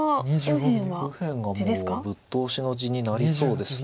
右辺がもうぶっ通しの地になりそうです。